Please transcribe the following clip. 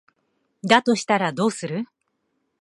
だとしたらどうする？